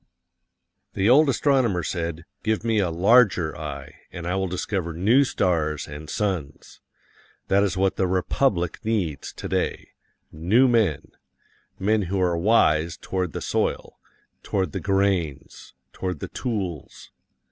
The old astronomer said, "Give me a larger eye, and I will discover new stars and suns." That is what the republic needs today new men men who are wise toward the soil, toward the grains, toward the tools.